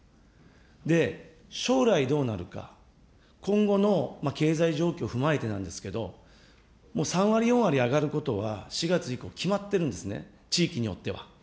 で、将来どうなるか、今後の経済状況を踏まえてなんですけど、もう３割、４割上がることは４月以降、決まってるんですね、地域によっては。